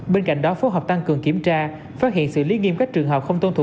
bên cạnh đó phố học tăng cường kiểm tra phát hiện sự lý nghiêm các trường hợp không tôn thủ